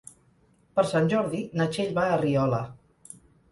Per Sant Jordi na Txell va a Riola.